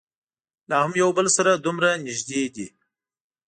لا هم یو بل سره دومره نږدې دي.